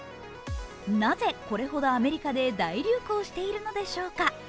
なぜ、これほどアメリカで大流行しているのでしょうか。